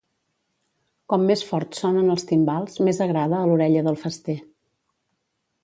Com més forts sonen els timbals més agrada a l'orella del fester.